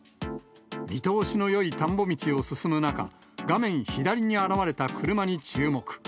見通しのよい田んぼ道を進む中、画面左に現れた車に注目。